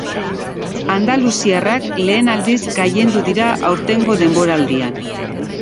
Andaluziarrak lehen aldiz gailendu dira aurtengo denboraldian.